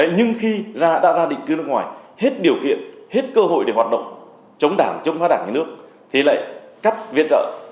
nhưng khi đã ra định cư nước ngoài hết điều kiện hết cơ hội để hoạt động chống đảng chống phá đảng nước thì lại cắt viên rợ